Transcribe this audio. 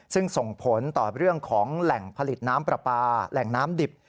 ซึ่งส่งผลต่อเรื่องของแหล่งผลิตน้ำปลาปลาแหล่งน้ำดิบ